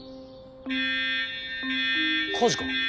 火事か？